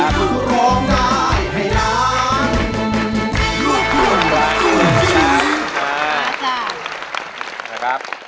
สวัสดีครับ